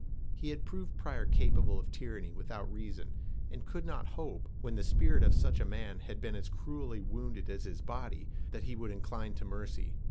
He had proved Pryor capable of tyranny without reason, and could not hope, when the spirit of such a man had been as cruelly wounded as his body, that he would incline to mercy.